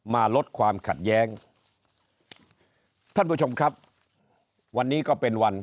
มาลดความขัดแย้งท่านผู้ชมครับวันนี้ก็เป็นวัน